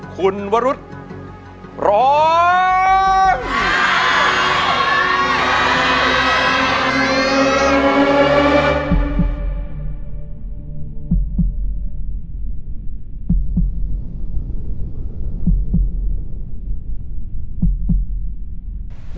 คุณวรุษร้อง